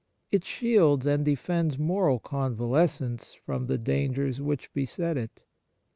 It shields and defends moral convalescence from the dangers which beset it.